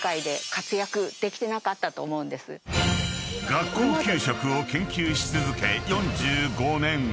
［学校給食を研究し続け４５年］